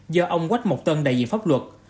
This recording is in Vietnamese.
do ông quách mộc tân đại diện pháp luật